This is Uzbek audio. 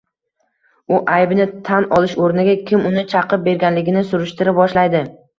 U aybini tan olish o‘rniga kim uni chaqib berganligini surishtira boshlaydi.